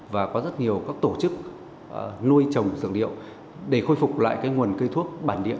và có rất nhiều các tổ chức nuôi trồng dược liệu để khôi phục lại cái nguồn cây thuốc bản địa